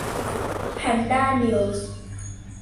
แพนด้านิวส์